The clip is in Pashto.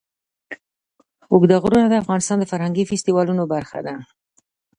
اوږده غرونه د افغانستان د فرهنګي فستیوالونو برخه ده.